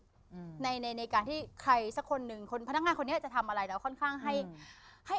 อืมในในในการที่ใครสักคนหนึ่งคนพนักงานคนนี้จะทำอะไรแล้วค่อนข้างให้ให้